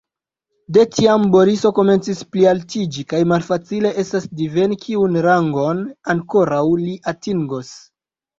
De tiam Boriso komencis plialtiĝi, kaj malfacile estas diveni, kiun rangon ankoraŭ li atingos.